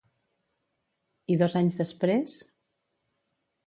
I dos anys després?